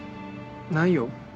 ないよ